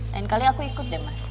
lain kali aku ikut deh mas